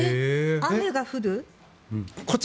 雨が降る？